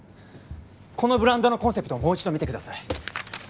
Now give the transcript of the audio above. このブランドのコンセプトをもう一度見てください